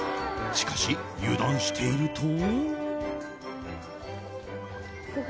しかし油断していると。